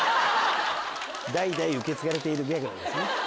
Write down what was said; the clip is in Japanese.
代々受け継がれているギャグなんですね。